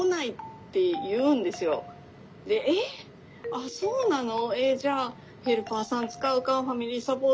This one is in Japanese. あっそうなの？